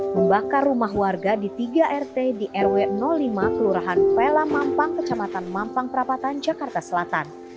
membakar rumah warga di tiga rt di rw lima kelurahan pela mampang kecamatan mampang perapatan jakarta selatan